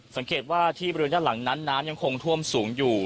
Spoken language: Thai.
สังเกตว่าที่บริเวณด้านหลังนั้นน้ำยังคงท่วมสูงอยู่